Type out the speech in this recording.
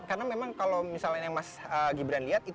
karena kalau misalnya yang mas gibran liat